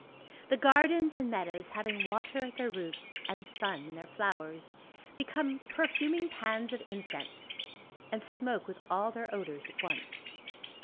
The gardens and meadows, having water at their roots, and sun in their flowers, become perfuming pans of incense, and smoke with all their odors at once.